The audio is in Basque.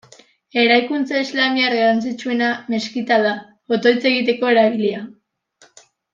Eraikuntza islamiar garrantzitsuena meskita da, otoitz egiteko erabilia.